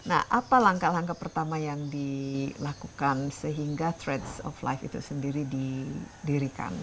nah apa langkah langkah pertama yang dilakukan sehingga trades of life itu sendiri didirikan